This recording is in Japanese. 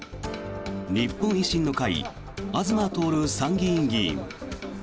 日本維新の会東徹参議院議員。